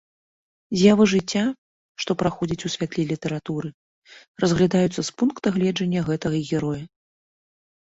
З'явы жыцця, што праходзяць у святле літаратуры, разглядаюцца з пункта гледжання гэтага героя.